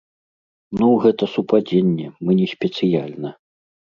Ну, гэта супадзенне, мы не спецыяльна.